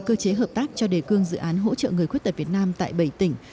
cơ chế hợp tác cho đề cương dự án hỗ trợ người khuyết tật việt nam tại bảy tỉnh